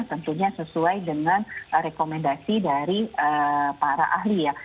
tentunya sesuai dengan rekomendasi dari para ahli ya